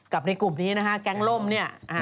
ในกลุ่มนี้นะฮะแก๊งล่มเนี่ย